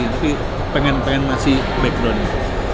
tapi pengen pengen masih background nya